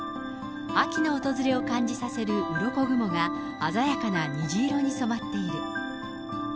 秋の訪れを感じさせるうろこ雲が鮮やかな虹色に染まっている。